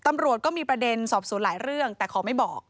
ตำรวจก็มีประเด็นสอบสวนหลายเรื่องแต่ขอไม่บอก